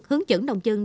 hướng dẫn đồng dân